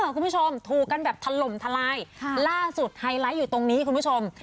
คุณผู้ชมถูกกันแบบถล่มทลายล่าสุดไฮไลท์อยู่ตรงนี้คุณผู้ชม